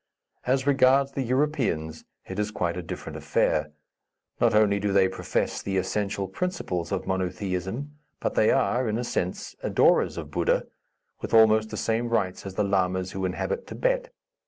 As regards the Europeans, it is quite a different affair. Not only do they profess the essential principles of monotheism, but they are, in a sense, adorers of Buddha, with almost the same rites as the lamas who inhabit Thibet.